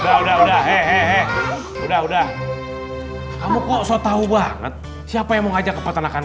udah udah hehehe udah udah kamu kok saya tahu banget siapa yang mau ngajak ke peternakan